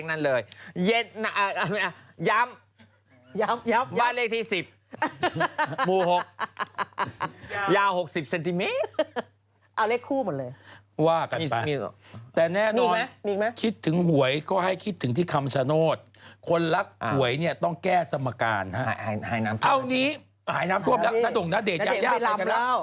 อันนี้คือยีนสีผิวมันเหรอ